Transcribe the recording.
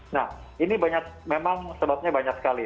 nah ini memang sebabnya banyak sekali